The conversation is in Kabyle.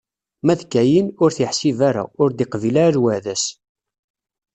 Ma d Kayin, ur t-iḥsib ara, ur d-iqbil ara lweɛda-s.